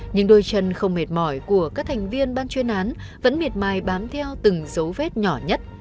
nhưng đôi chân không mệt mỏi của các thành viên ban chuyên án vẫn miệt mài bám theo từng dấu vết nhỏ nhất